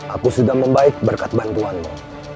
aku sudah membaik berkat bantuanmu